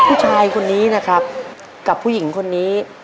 ผู้ชายคนนี้นะครับกับผู้หญิงคนนี้